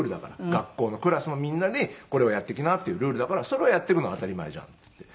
「学校のクラスのみんなにこれをやってきなっていうルールだからそれはやっていくのは当たり前じゃん」って言って。